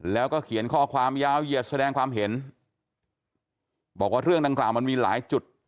แล้วก็เขียนข้อความยาวเหยียดแสดงความเห็นบอกว่าเรื่องดังกล่าวมันมีหลายจุด